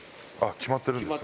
決まってるんですか？